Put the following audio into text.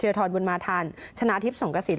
ธิวทรบุญมาธรรมชนะทิพย์สงกสินทร์